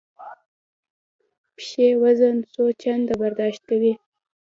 پښې وزن څو چنده برداشت کوي.